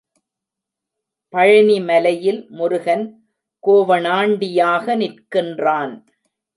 பழநிமலையில், முருகன் கோவணாண்டியாக நிற்கின்றான்.